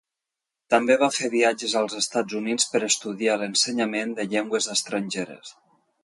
També va fer viatges als Estats Units per estudiar l'ensenyament de llengües estrangeres.